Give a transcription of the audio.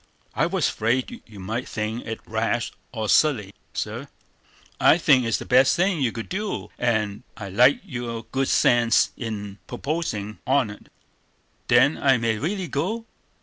"I was afraid you might think it rash or silly, sir." "I think it's the best thing you could do; and I like your good sense in pupposin' on't." "Then I may really go?"